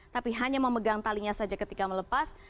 tapi hanya memegang talinya saja ketika melepas